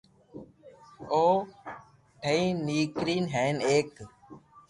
او ِٺین نیڪریو ھین ایڪ